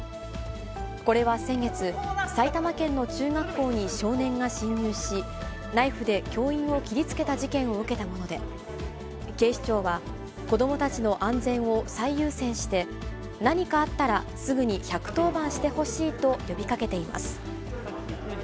これは先月、埼玉県の中学校に少年が侵入し、ナイフで教員を切りつけた事件を受けたもので、警視庁は、子どもたちの安全を最優先して、何かあったらすぐに１１０番してほしいと呼びかけています。